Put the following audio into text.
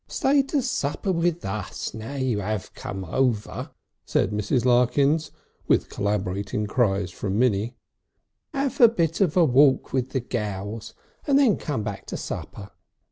"Stay to supper with us, now you 'ave come over," said Mrs. Larkins, with corroborating cries from Minnie. "'Ave a bit of a walk with the gals, and then come back to supper.